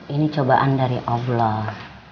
ini cobaan dari allah